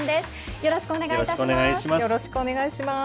よろしくお願いします。